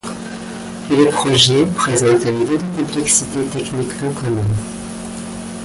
Le projet présente un niveau de complexité technique peu commun.